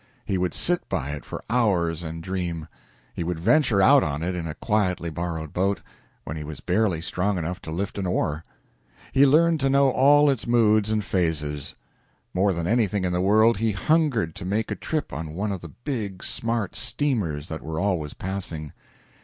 He would sit by it for hours and dream. He would venture out on it in a quietly borrowed boat, when he was barely strong enough to lift an oar. He learned to know all its moods and phases. More than anything in the world he hungered to make a trip on one of the big, smart steamers that were always passing.